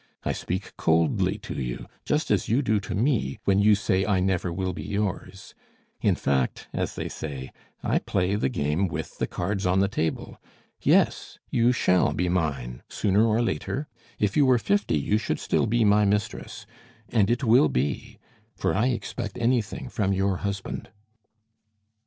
I speak coldly to you, just as you do to me, when you say, 'I never will be yours,' In fact, as they say, I play the game with the cards on the table. Yes, you shall be mine, sooner or later; if you were fifty, you should still be my mistress. And it will be; for I expect anything from your husband!"